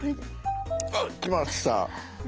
あっ来ました！